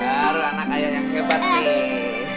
baru anak ayam yang hebat nih